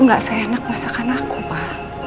gak se enak masakan aku pak